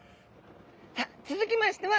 さあ続きましては